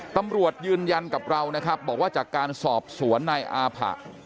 ตำรวจยืนยันกับเรานะครับบอกว่าจากการสอบสวนนายอาผะ